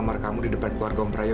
untung aja gue punya temen penyiar radio